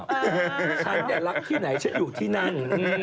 ฉันแดนลักทีไหนฉันอยู่ที่นั่ง